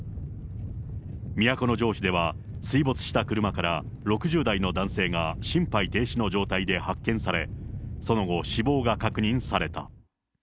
都城市では、水没した車から６０代の男性が、心肺停止の状態で発見され、その後、死亡が確認された。